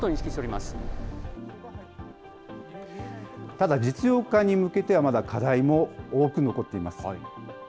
ただ、実用化に向けてはまだ課題も多く残っています。